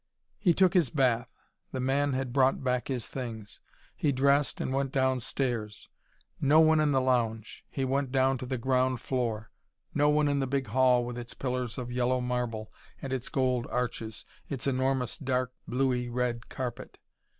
He took his bath: the man had brought back his things: he dressed and went downstairs. No one in the lounge: he went down to the ground floor: no one in the big hall with its pillars of yellow marble and its gold arches, its enormous, dark, bluey red carpet.